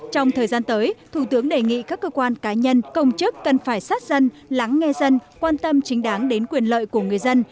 trong thời gian tới thủ tướng đề nghị các cơ quan cá nhân công chức cần phải sát dân lắng nghe dân quan tâm chính đáng đến quyền lợi của người dân